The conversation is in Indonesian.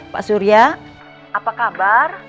pak surya apa kabar